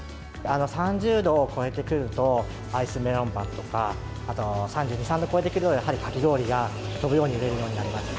３０度を超えてくると、アイスメロンパンとか、あと３２、３度超えてくると、やはりかき氷が飛ぶように売れるようになります。